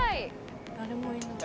「誰もいない」